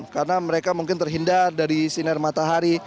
karena mereka mungkin terhindar dari sinar matahari